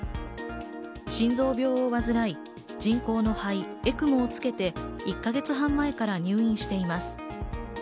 心臓病を患い、人工の肺「ＥＣＭＯ」をつけて１か月半前から入院しています。